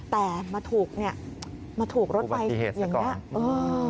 แต่มาถูกรถไฟแบบนี้